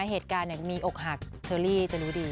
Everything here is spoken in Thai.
ถ้าเหตุการณ์มีออกหักลีจะรู้ดี